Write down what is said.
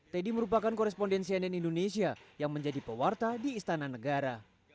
teddy merupakan korespondensi nn indonesia yang menjadi pewarta di istana negara